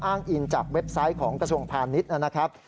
อินจากเว็บไซต์ของกระทรวงพาณิชย์นะครับ